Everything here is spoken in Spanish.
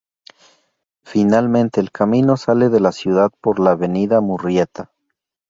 Finalmente el camino sale de la ciudad por la avenida Murrieta.